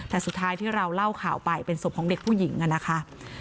แต่สุดท้ายที่เราเล่าข่าวไปเป็นศพของเด็กผู้หญิงนะคะ